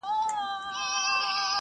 که وخت وي، لوښي وچوم!